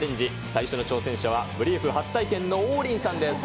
最初の挑戦者は、ブリーフ初体験の王林さんです。